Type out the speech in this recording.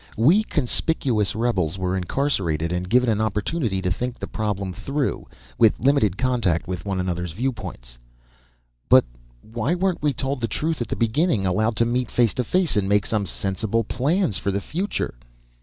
We conspicuous rebels were incarcerated and given an opportunity to think the problem through, with limited contact with one another's viewpoints." "But why weren't we told the truth at the beginning, allowed to meet face to face and make some sensible plans for the future?"